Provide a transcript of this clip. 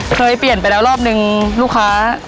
เคยเปลี่ยนไปแล้วรอบนึงลูกค้า